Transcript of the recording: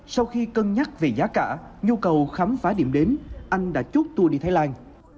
sau khi cân nhắc về giá cả nhu cầu khám phá điểm đến anh đã chút tour đi thái lan